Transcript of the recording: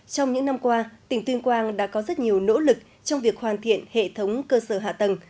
trong những năm qua tỉnh tuyên quang đã có rất nhiều nỗ lực trong việc hoàn thiện hệ thống cơ sở hạ tầng